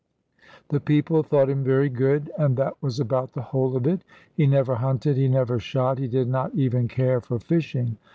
The people thought him very good: and that was about the whole of it. He never hunted, he never shot, he did not even care for fishing.